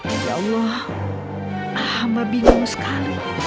ya allah hamba bingung sekali